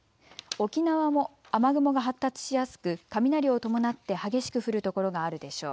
沖縄も雨雲が発達しやすく雷を伴って激しく降る所があるでしょう。